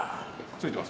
ついてます。